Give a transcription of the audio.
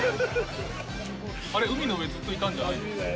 あれ、海の上にずっといたんじゃないんですか？